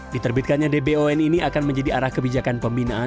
diterbitkannya dbon ini akan menjadi arah kebijakan pembinaan